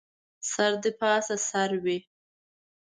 سر دې پاسه سر وي